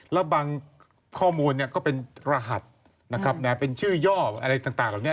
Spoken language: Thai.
แล้วบางข้อมูลเนี่ยก็เป็นรหัสนะครับเป็นชื่อย่ออะไรต่างเหล่านี้